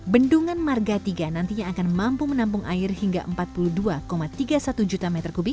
bendungan marga tiga nantinya akan mampu menampung air hingga empat puluh dua tiga puluh satu juta meter kubik